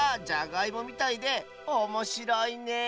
じゃがいもみたいでおもしろいね